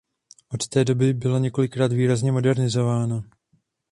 Od té doby byla několikrát výrazně modernizována.